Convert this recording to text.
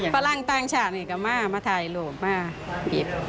พระรังต่างชาติก็มามาถ่ายลูกมากิบ